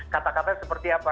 kata katanya seperti apa